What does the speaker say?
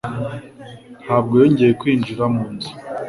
Ntabwo yongeye kwinjira mu nzu.